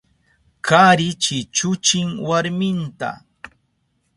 Kari chichuchin warminta.